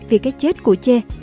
vì cái chết của che